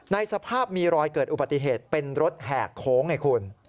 ในสภาพมีรอยเกิดอุบัติเหตุเป็นรถแหกโค้งไงคุณ